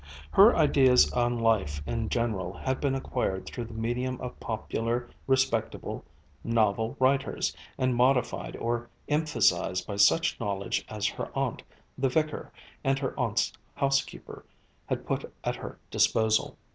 Her ideas on life in general had been acquired through the medium of popular respectable novel writers, and modified or emphasised by such knowledge as her aunt, the vicar, and her aunt's housekeeper had put at her disposal.